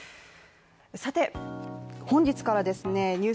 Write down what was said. さて、本日からですねＮＥＷＳ